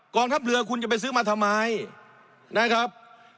ทัพเรือคุณจะไปซื้อมาทำไมนะครับ